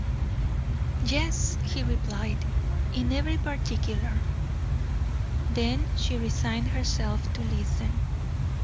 "Yes," he replied, "in every particular." Then she resigned herself to listen.